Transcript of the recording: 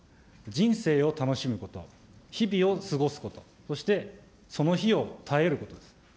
人生を楽しむこと、日々を過ごすこと、そしてその日を耐えることです。